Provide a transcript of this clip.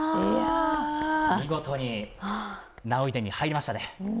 見事に儺追殿に入りましたね。